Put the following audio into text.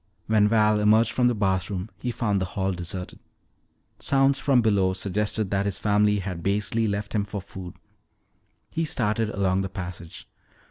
When Val emerged from the bathroom he found the hall deserted. Sounds from below suggested that his family had basely left him for food. He started along the passage.